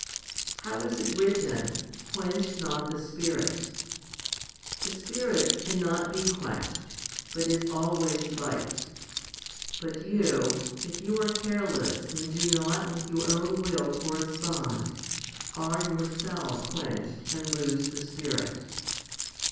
How is it written, Quench not the Spirit ? 1 The Spirit cannot be quenched, but is always light ; but you, if you are careless and do not with your own will correspond, are yourself quenched and lose 1 i Thess. v. 19. HOMILY XXVII 205 the Spirit.